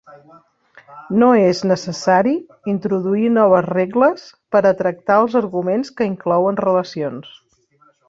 No és necessari introduir noves regles per a tractar els arguments que inclouen relacions.